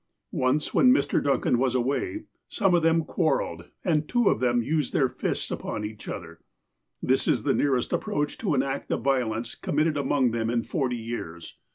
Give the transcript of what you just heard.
Once, when Mr. Duncan was away, some of them quar relled, and two of them used their fists upon each other. That is the nearest approach to an act of violence com mitted amoug them in forty years